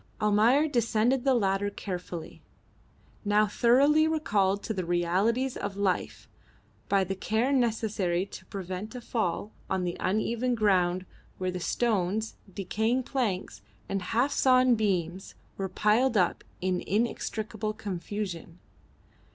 Almayer descended the ladder carefully, now thoroughly recalled to the realities of life by the care necessary to prevent a fall on the uneven ground where the stones, decaying planks, and half sawn beams were piled up in inextricable confusion.